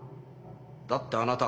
だってあなた。